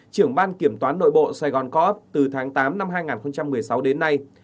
trưởng ban kiểm toán nội bộ saigon co op từ tháng tám năm hai nghìn một mươi sáu đến nay